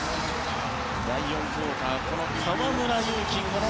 第４クオーター河村勇輝の